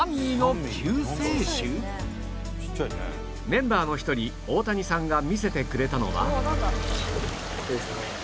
メンバーの一人大谷さんが見せてくれたのは